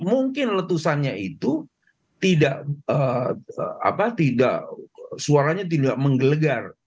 mungkin letusannya itu tidak suaranya tidak menggelegar